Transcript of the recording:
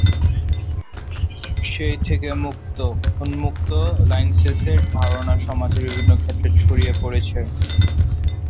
সেই থেকে মুক্ত/উন্মুক্ত লাইসেন্সের ধারণা সমাজের বিভিন্ন ক্ষেত্রে ছড়িয়ে পড়ে।